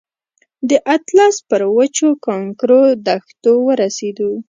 د اطلس پر وچو کانکرو دښتو ورسېدو.